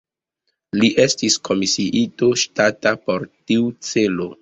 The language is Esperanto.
Li estis komisiito ŝtata por tiu celo.